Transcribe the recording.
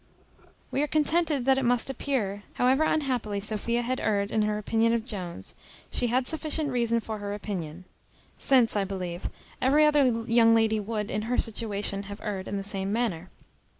We are contented that it must appear, however unhappily Sophia had erred in her opinion of Jones, she had sufficient reason for her opinion; since, I believe, every other young lady would, in her situation, have erred in the same manner.